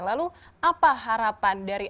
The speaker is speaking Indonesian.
lalu apa harapan dari